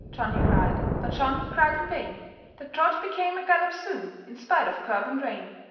John he cried, But John he cried in vain; That trot became a gallop soon, In spite of curb and rein.